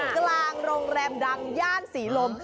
กลางโรงแรมดังย่านศรีลม